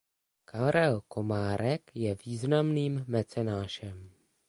Karel Komárek je významným mecenášem.